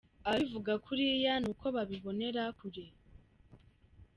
Ababivuga kuriya ni kuko babibonera kure.”